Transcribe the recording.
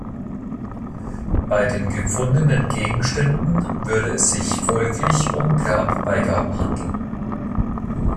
Bei den gefundenen Gegenständen würde es sich folglich um Grabbeigaben handeln.